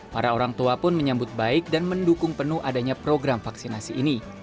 para orang tua pun menyambut baik dan mendukung penuh adanya program vaksinasi ini